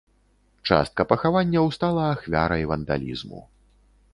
Частка пахаванняў стала ахвярай вандалізму.